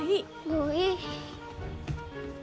もういい。